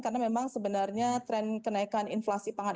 karena memang sebenarnya tren kenaikan inflasi pangan